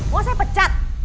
mau saya pecat